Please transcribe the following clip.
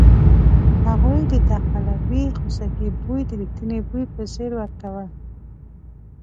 هغوی د تقلبي خوسکي بوی د ریښتني بوی په څېر ورکول.